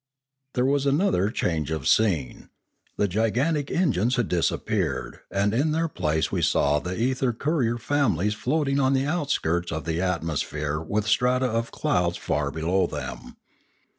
There was another change of scene. The gigantic engines had disappeared and in their place we saw the ether courier families floating on the outskirts of the atmosphere with strata of clouds far below them.